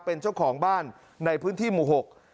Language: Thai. เป็นเจ้าของบ้านในพื้นที่หมู่หก